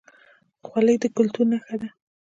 خولۍ د کلتور نښه ده